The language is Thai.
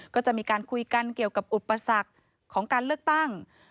ก็จะมีการคุยกันเกี่ยวกับอุปสรรคของการเลือกตั้ง